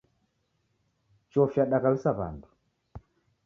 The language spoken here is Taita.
Chofi yadaghalisa w'andu.